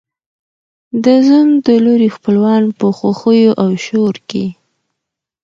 د زوم د لوري خپلوان په خوښیو او شور کې